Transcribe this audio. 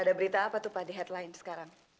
ada berita apa tuh pak di headline sekarang